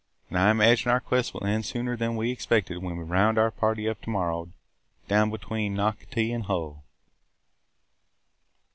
And I imagine our quest will end sooner than we expected when we round our party up to morrow, down between Nocatee and Hull!"